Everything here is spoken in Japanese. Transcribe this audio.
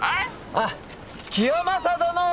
あっ清正殿！